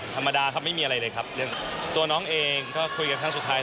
ธรรมดาครับไม่มีอะไรเลยครับเรื่องตัวน้องเองก็คุยกันครั้งสุดท้าย